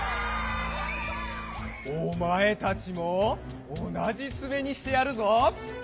おまえたちもおなじつめにしてやるぞ！